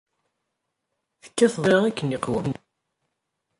Tekkateḍ ssnitra akken iqwem.